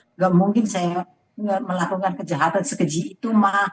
enggak mungkin saya enggak melakukan kejahatan sekejit itu